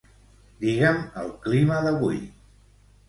Digue'm el clima d'avui.